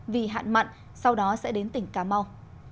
vì hạn mặn sau đó sẽ đến tỉnh cà mau